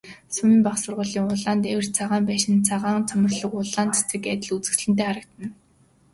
Сумын бага сургуулийн улаан дээвэрт цагаан байшин, цагаан цоморлог улаан цэцэг адил үзэсгэлэнтэй харагдана.